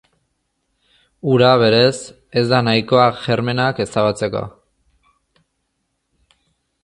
Ura, berez, ez da nahikoa germenak ezabatzeko.